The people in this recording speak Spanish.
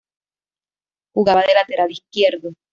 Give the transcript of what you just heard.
Jugaba de lateral izquierdo.